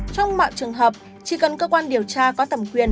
trong mọi trường hợp chỉ cần cơ quan điều tra có tầm quyền